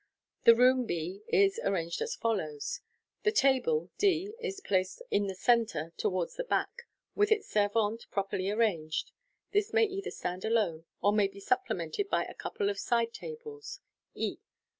The room B is arranged as follows :— The " table " d is placed in the centre, towards the back, with its servante properly arranged. This may either stand alone, or may be supplemented by a couple of side tables, ee.